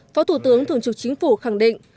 phó thủ tướng thường trực chính phủ khẳng định